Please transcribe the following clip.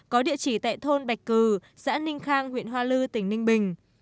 có địa chỉ tại thôn bạch cử xã ninh khang huyện hoa lư tỉnh ninh bình